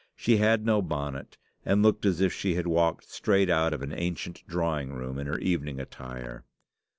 She had no bonnet, and looked as if she had walked straight out of an ancient drawing room in her evening attire.